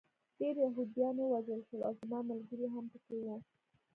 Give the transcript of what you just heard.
ډېر یهودان ووژل شول او زما ملګري هم پکې وو